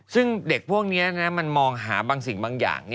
ซึ่งเด็กพวกนี้มันมองหาบางสิ่งบางอย่าง